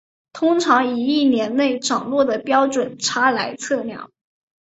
通常以一年内涨落的标准差来测量。